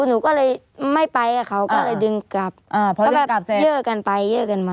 หนูก็เลยไม่ไปอ่ะเขาก็เลยดึงกลับก็แบบเยื่อกันไปเยื่อกันมา